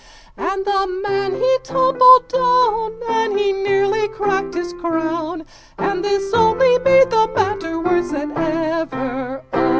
And the man he tumbled down, And he nearly cracked his crown, And this only made the matter worse than ever O!